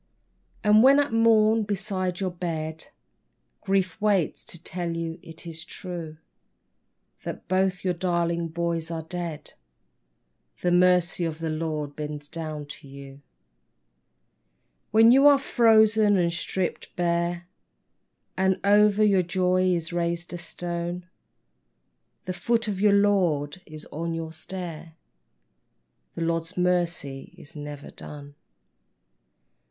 And when at morn beside your bed Grief waits to tell you it is true, That both your darling boys are dead ; The Mercy of the Lord bends down to you. When you are frozen and stripped bare And over your joy is raised a stone, The foot of the Lord is on your stair ; The Lord's mercy is never done.